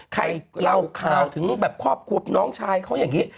ข่าวเล่าข่าวถึงแบบครอบครัวน้องชายเขาอย่างนี้